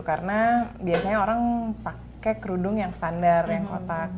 karena biasanya orang pakai kerudung yang standar yang kotak